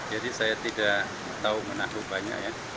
jadi saya tidak tahu menaklubannya